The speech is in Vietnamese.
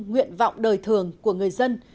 nguyện vọng đời thường của người dân